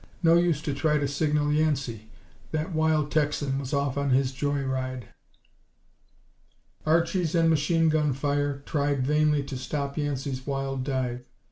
No use to try to signal Yancey; that wild Texan was off on his joy ride. Archies and machine gun fire tried vainly to stop Yancey's wild dive.